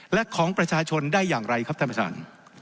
และของประชาชนได้อย่างไรครับท่านประธาน